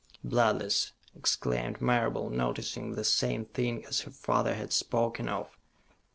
"Bloodless," exclaimed Marable, noticing the same thing as her father had spoken of.